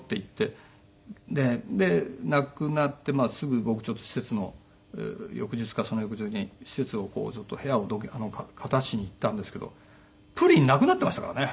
で亡くなってすぐ僕ちょっと施設の翌日かその翌日に施設をこうちょっと部屋を片しに行ったんですけどプリンなくなってましたからね。